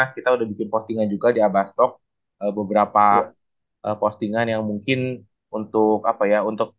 kita udah bikin postingan juga di abastok beberapa postingan yang mungkin untuk apa ya untuk